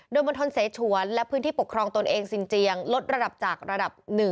โดยมณฑลเสชวนและพื้นที่ปกครองตนเองสิ่งเจียงลดระดับจากระดับ๑